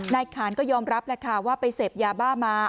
นายขานก็ยอมรับว่าไปเสพยาบ้ามา